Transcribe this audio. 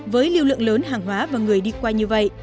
với lưu lượng lớn hàng hóa và người đi qua như vậy